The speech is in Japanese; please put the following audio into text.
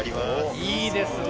いいですね